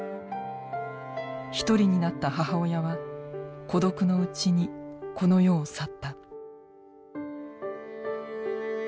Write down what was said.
１人になった母親は孤独のうちにこの世を去った。